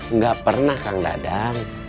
enggak pernah kang dadang